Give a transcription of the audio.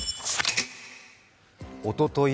おととい